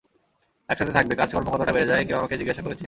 একসাথে থাকবে, কাজকর্ম কতটা বেড়ে যায় কেউ আমাকে জিজ্ঞাসা করেছে।